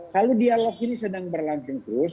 kalau dialog ini sedang berlangsung terus